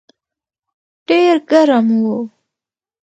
ډېر ګرم و.